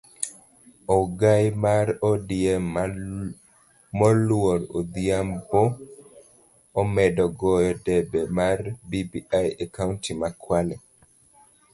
Ogai mar odm moluor Odhiambo omedo goyo debe mar bbi e kaunti ma kwale